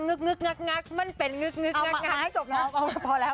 งึกงึกงักงักมันเป็นงึกงึกงักงักเอามาหาให้จบแล้วเอามาพอแล้ว